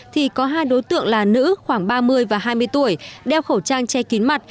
thì có hai đối tượng là nữ khoảng ba mươi và hai mươi tuổi đeo khẩu trang che kín mặt